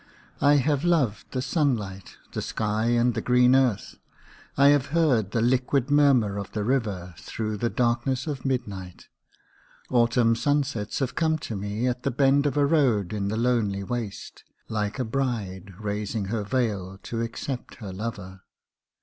I have loved the sunlight, the sky and the green earth; I have heard the liquid murmur of the river through the darkness of midnight; Autumn sunsets have come to me at the bend of a road in the lonely waste, like a bride raising her veil to accept her lover.